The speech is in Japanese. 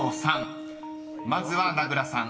［まずは名倉さん。